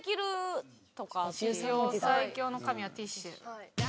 「史上最強の紙はティッシュ」。